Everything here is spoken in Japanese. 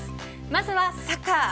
まずはサッカー。